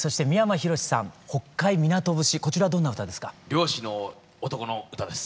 漁師の男の歌です。